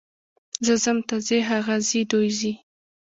زه ځم، ته ځې، هغه ځي، دوی ځي.